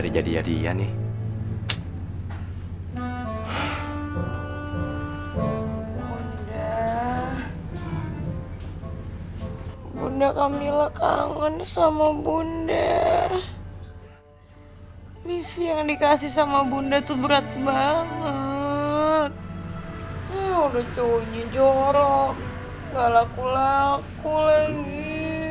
gak laku laku lagi